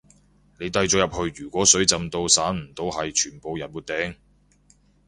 你低咗入去如果水浸到散唔到係全部人沒頂